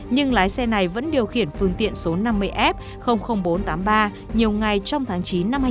nhưng lái xe này vẫn điều khiển phương tiện số năm mươi f bốn trăm tám mươi ba nhiều ngày trong tháng chín năm hai nghìn hai mươi